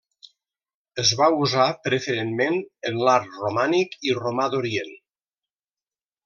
Es va usar preferentment en l'art romànic i romà d'Orient.